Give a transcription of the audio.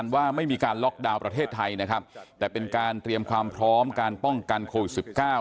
ว่าไม่มีการล็อกดาวน์ประเทศไทยนะครับแต่เป็นการเตรียมความพร้อมการป้องกันโควิด๑๙